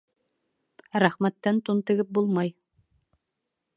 Рәхмәттән тун тегеп булмай.